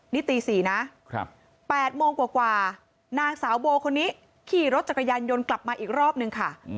นี่ตี๔นะ๘โมงกว่านางสาวโบคนนี้ขี่รถจักรยานยนต์กลับมาอีกรอบนึงค่ะ